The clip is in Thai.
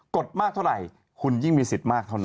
ดมากเท่าไหร่คุณยิ่งมีสิทธิ์มากเท่านั้น